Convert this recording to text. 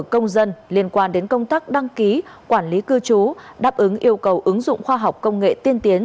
công dân liên quan đến công tác đăng ký quản lý cư trú đáp ứng yêu cầu ứng dụng khoa học công nghệ tiên tiến